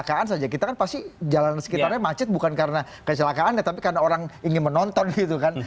kecelakaan saja kita kan pasti jalan sekitarnya macet bukan karena kecelakaannya tapi karena orang ingin menonton gitu kan